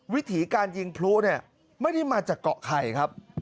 วิถีการยิงพลุเนี่ยไม่ได้มาจากเกาะไข่ครับ